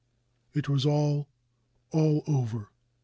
It was all, all over.